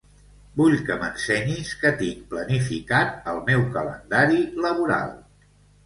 Vull que m'ensenyis què tinc planificat al meu calendari laboral.